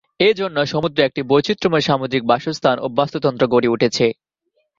এই জন্য সমুদ্রে একটি বৈচিত্রময় সামুদ্রিক বাসস্থান ও বাস্তুতন্ত্র গড়ে উঠেছে।